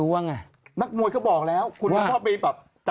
กรุ่งไหนกรุ่งไหนพอมีเงินนะ